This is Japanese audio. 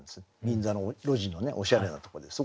銀座の路地のおしゃれなとこです。